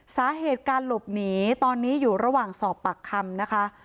สาเหตุการหลบหนีตอนนี้อยู่ระหว่างสอบปากคำนะคะ